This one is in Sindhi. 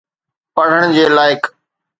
پڙهڻ جي لائق.